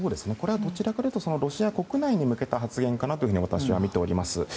これはどちらかというとロシア国内に向けた発言かなと私は見ております。